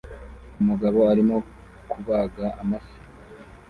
Umugabo arimo kubaga amafi